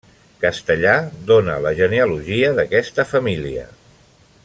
Castellà dona la genealogia d'aquesta família.